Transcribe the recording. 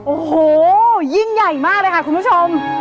โอ้โหยิ่งใหญ่มากเลยค่ะคุณผู้ชม